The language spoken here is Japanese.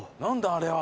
あれは。